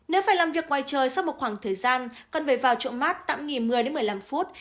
nếu phải làm việc ngoài trời sau một khoảng thời gian cần phải vào trộm mát tạm nghỉ một mươi đến một mươi năm phút